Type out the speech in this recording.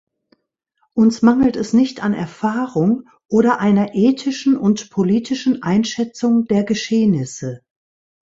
Uns mangelt es nicht an Erfahrung oder einer ethischen und politischen Einschätzung der Geschehnisse.